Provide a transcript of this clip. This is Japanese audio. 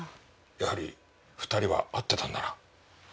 やはり２人は会ってたんだな。